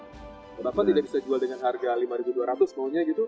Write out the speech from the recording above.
kenapa tidak bisa jual dengan harga rp lima dua ratus maunya gitu